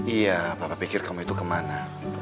iya papa pikir kamu itu kemana